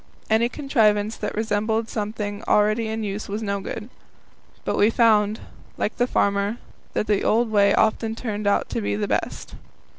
Any contrivance that resembled something already in use was no good. But we found, like the farmer, that the old way often turned out to be the best.